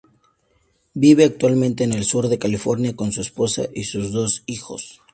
Vive actualmente en el sur de California con su esposa y sus dos hijos.